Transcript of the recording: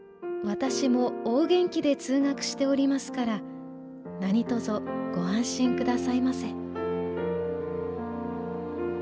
「私も大元気で通学しておりますから何卒ご安心くださいませ」。